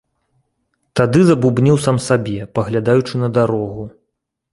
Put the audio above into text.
Тады забубніў сам сабе, паглядаючы на дарогу.